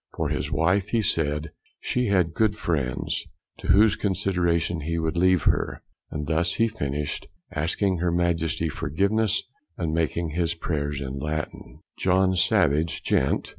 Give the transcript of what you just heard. For his wife, he said, she had good friends, to whose consideration he would leave her: And thus he finished, asking Her Majesty forgiveness, and making his prayers in Latin. John Savage, Gent.